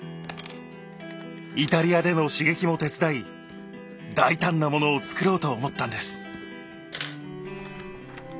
イタリアでの刺激も手伝い大胆なものを作ろうと思ったんです。